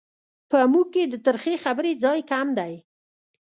په موږ کې د ترخې خبرې ځای کم دی.